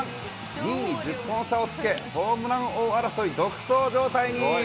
２位に１０本差をつけ、ホームラン王争い独走状態に。